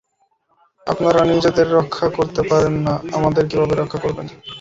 আপনারা নিজেদের রক্ষা করতে পারেন না, আমাদের কিভাবে রক্ষা করবেন?